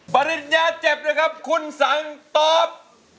ปริญญาเจ็บนะครับคุณสังตอบ